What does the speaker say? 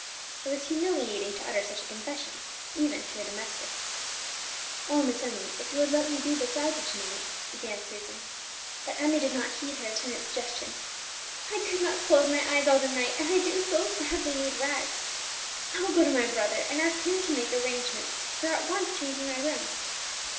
It was humiliating to utter such a confession, even to a domestic. "Oh, Miss Emmie, if you would let me be beside you to night " began Susan; but Emmie did not heed her attendant's suggestion. "I could not close my eyes all the night, and I do so sadly need rest. I will go to my brother and ask him to make arrangements for at once changing my room."